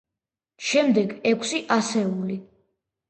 შემდეგ, ექვსი ასეული.